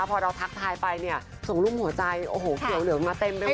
พอเราทักทายไปเนี่ยส่งรูปหัวใจโอ้โหเขียวเหลืองมาเต็มไปหมด